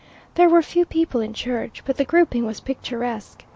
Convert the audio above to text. There were few people in church, but the grouping was picturesque.